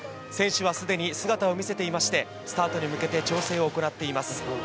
選手はすでに姿を見せていまして、スタートに向けて調整を行っています。